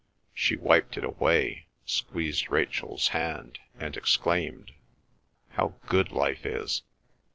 She wiped it away, squeezed Rachel's hand, and exclaimed: "How good life is!"